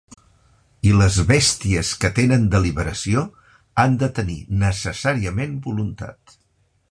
I les bèsties que tenen deliberació han de tenir necessàriament voluntat.